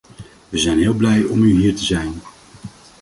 We zijn heel blij om u hier te zijn.